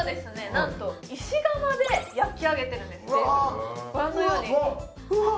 なんと石窯で焼き上げてるんですベーグルをうわあうわっ！